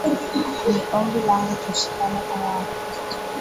Ni ombi langu tushikane kama wakristo